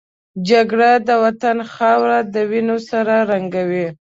جګړه د وطن خاوره د وینو سره رنګوي